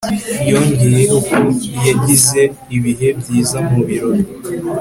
Yongeyeho ko yagize ibihe byiza mu birori